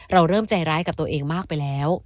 เราเริ่มใจร้ายกับตัวเองมากไปแล้ว